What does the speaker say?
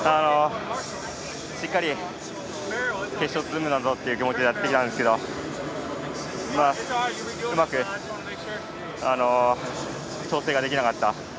しっかり決勝に進むんだという気持ちでやってきたんですけどうまく調整ができなかったと。